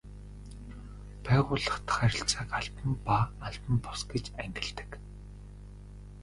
Байгууллага дахь харилцааг албан ба албан бус гэж ангилдаг.